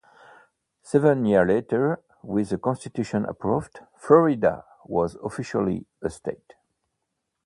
Seven years later, with the constitution approved, Florida was officially a state.